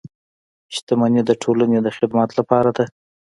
• شتمني د ټولنې د خدمت لپاره ده.